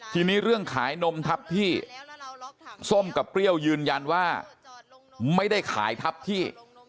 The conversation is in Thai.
ทีนี้เรื่องขายนมทับพี่ส้มกับเปรี้ยวยืนยันว่าไม่ได้ขายทับพี่